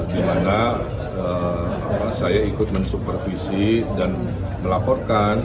dimana saya ikut mensupervisi dan melaporkan